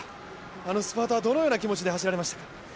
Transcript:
あのスパートはどのような気持ちで走られました？